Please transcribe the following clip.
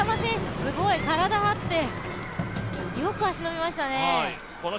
すごい体張って、よく足止めましたね。